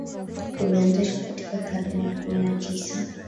ulianzishwa katika karne ya kumi na tisa